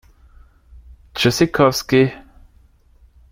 Tschüssikowski!